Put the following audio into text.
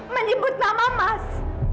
menyebut nama mas